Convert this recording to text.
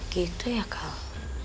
gitu ya kal